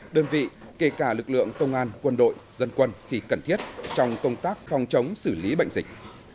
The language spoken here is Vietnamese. đơn vị kể cả lực lượng công an quân đội dân quân khi cần thiết trong công tác phòng chống xử lý bệnh dịch